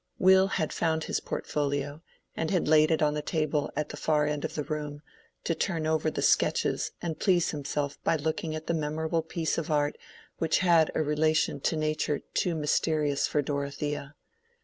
Will had found his portfolio, and had laid it on the table at the far end of the room, to turn over the sketches and please himself by looking at the memorable piece of art which had a relation to nature too mysterious for Dorothea.